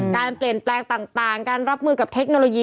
การเปลี่ยนแปลงต่างการรับมือกับเทคโนโลยี